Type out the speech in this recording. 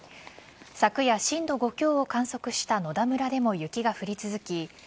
昨夜、震度５強を観測した野田村でも雪が降り続き